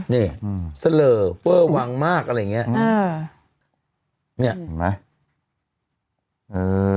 นี่สเหลอเฟอร์วังมากอะไรเงี้ย